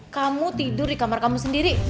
kamu tidur di kamar kamu sendiri